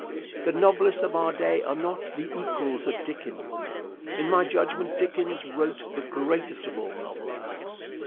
The novelists of our day are not the equals of Dickens. In my judgment, Dickens wrote the greatest of all novels.